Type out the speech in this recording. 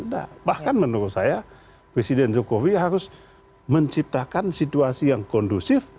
nah bahkan menurut saya presiden jokowi harus menciptakan situasi yang kondusif